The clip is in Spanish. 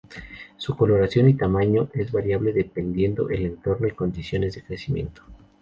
Su coloración y tamaño es variable dependiendo el entorno y condiciones de crecimiento.